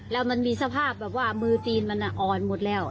แล้วมันมีสภาพแบบว่ามือตีนมันอ่อนหมดแล้ว